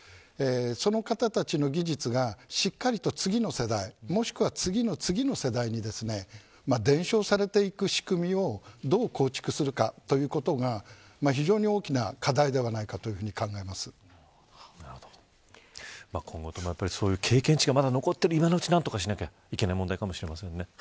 その方たちの技術がしっかりと次の世代もしくは次の次の世代に伝承されていく仕組みをどう構築するかということが非常に大きな課題ではないかと今後ともそういう経験値が残っている今のうちに、何とかしなきゃいけない問題かもしれませんね。